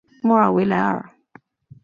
莫尔维莱尔。